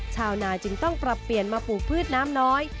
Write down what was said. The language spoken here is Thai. ชาวนาจึงต้องปรับเปลี่ยนมาปลูกพืชน้ำน้อย